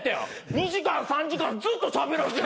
２時間３時間ずっとしゃべらずに。